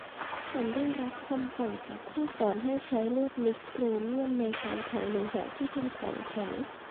ฉันได้รับคำสั่งจากผู้สอนให้ใช้ลวดนิกโครเมี่ยมในการเผาโลหะที่เป็นของแข็ง